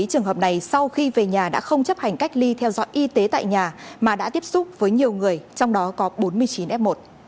hai mươi trường hợp này sau khi về nhà đã không chấp hành cách ly theo dõi y tế tại nhà mà đã tiếp xúc với nhiều người trong đó có bốn mươi chín f một